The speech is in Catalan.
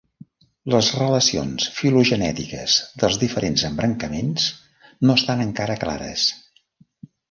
Les relacions filogenètiques dels diferents embrancaments no estan encara clares.